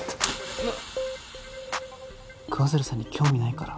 桑鶴さんに興味ないから